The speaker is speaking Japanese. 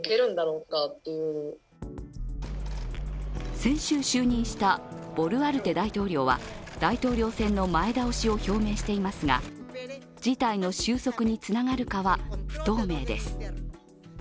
先週就任したボルアルテ大統領は大統領選の前倒しを表明していますが事態の収束につながるかは不透明です。